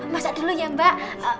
masak dulu ya mbak